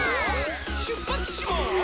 しゅっぱつします！